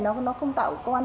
nó không tạo công an